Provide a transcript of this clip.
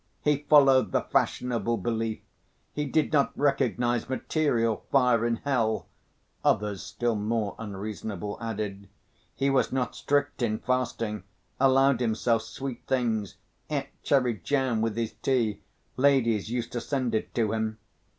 "He followed the fashionable belief, he did not recognize material fire in hell," others, still more unreasonable, added. "He was not strict in fasting, allowed himself sweet things, ate cherry jam with his tea, ladies used to send it to him.